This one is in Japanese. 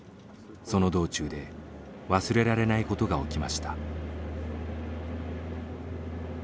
その道中で忘れられないことが起きました。